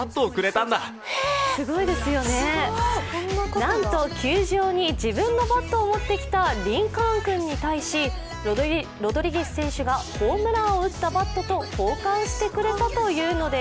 なんと球場に自分のバットを持ってきたリンカーン君に対しロドリゲス選手がホームランを打ったバットと交換してくれたというのです。